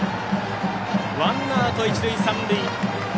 ワンアウト、一塁三塁。